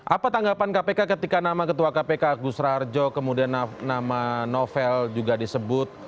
apa tanggapan kpk ketika nama ketua kpk agus raharjo kemudian nama novel juga disebut